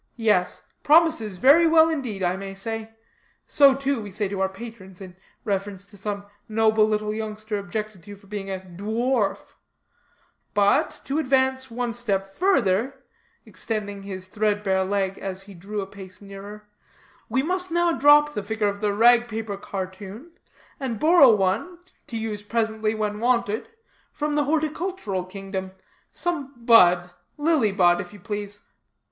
Yes, promises very well indeed, I may say. (So, too, we say to our patrons in reference to some noble little youngster objected to for being a dwarf.) But, to advance one step further," extending his thread bare leg, as he drew a pace nearer, "we must now drop the figure of the rag paper cartoon, and borrow one to use presently, when wanted from the horticultural kingdom. Some bud, lily bud, if you please.